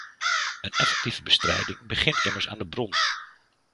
Een effectieve bestrijding begint immers aan de bron.